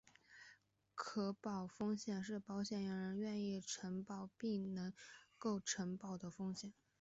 可保风险是保险人愿意承保并能够承保的风险。